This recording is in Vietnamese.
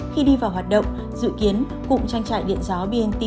khi đi vào hoạt động dự kiến cụm trang trại điện gió bnt